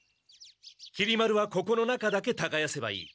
きり丸はここの中だけたがやせばいい。